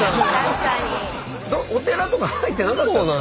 お寺とか入ってなかったですか？